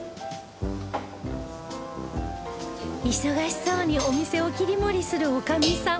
忙しそうにお店を切り盛りするおかみさん